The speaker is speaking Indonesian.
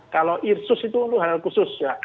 kalau irsus itu urusan khusus